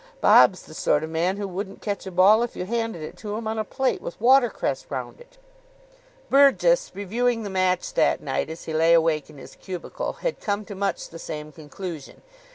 Bob's the sort of man who wouldn't catch a ball if you handed it to him on a plate, with watercress round it." Burgess, reviewing the match that night, as he lay awake in his cubicle, had come to much the same conclusion.